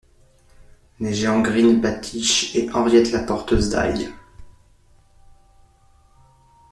Les géants Grind' Batiche et Henriette la Porteuse d'Ail.